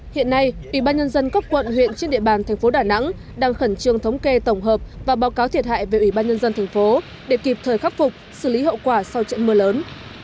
hiện nay ủy ban nhân dân các quận huyện trên địa bàn thành phố đà nẵng đang khẩn trương thống kê tổng hợp và báo cáo thiệt hại về ủy ban nhân dân thành phố để kịp thời khắc phục xử lý hậu quả sau trận mưa lớn